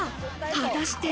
果たして。